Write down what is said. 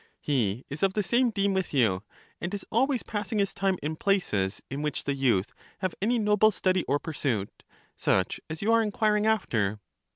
he is of the same deme with you, and is always passing his time in places in which the youth have any noble study or pursuit, such as you are inquiring after.